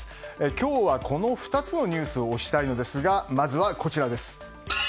今日は、この２つのニュースを推したいのですがまずは、こちらです。